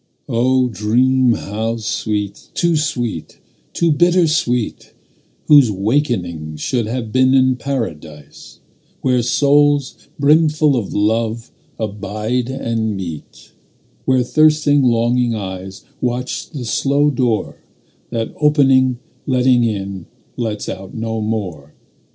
O dream how sweet, too sweet, too bitter sweet, Whose wakening should have been in Paradise, Where souls brimful of love abide and meet; Where thirsting longing eyes Watch the slow door That opening, letting in, lets out no more.